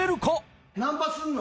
ナンパすんの？